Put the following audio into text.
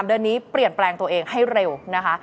เดือนนี้เปลี่ยนแปลงตัวเองให้เร็วนะคะ